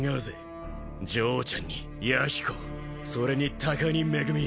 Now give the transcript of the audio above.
嬢ちゃんに弥彦それに高荷恵。